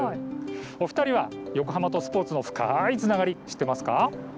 お二人は横浜とスポーツの深いつながり知っていますか。